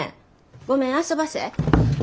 ごめんあそばせ。